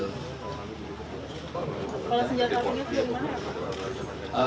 kalau senjata punya sudah dimana